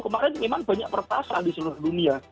kemarin memang banyak pertasan di seluruh dunia